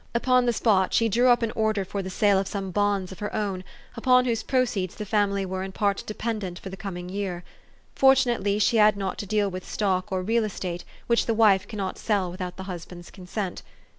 Upon the spot she drew up an order for the sale of some bonds of her own, upon whose proceeds the family were in part dependent for the coming year. Fortunately she had not to deal with stock or real estate, which the wife cannot sell without the husband's consent.